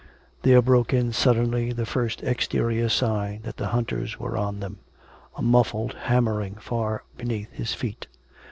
... There broke in suddenly the first exterior sign that the hunters were on them — a muffled hammering far beneath his feet.